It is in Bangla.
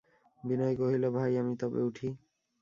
বিনয় কহিল, ভাই, আমি তবে উঠি।